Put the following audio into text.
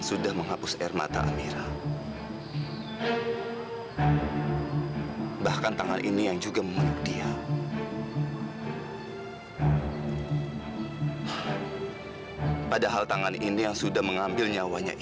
sampai jumpa di video selanjutnya